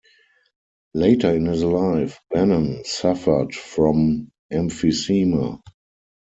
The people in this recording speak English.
Later in his life, Bannon suffered from emphysema.